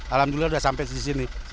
alhamdulillah sudah sampai di sini